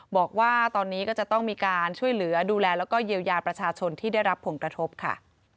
บอกว่าตอนนี้ก็จะต้องมีการช่วยเหลือดูแลแล้วก็เยียวยาประชาชนที่ได้รับผลกระทบค่ะ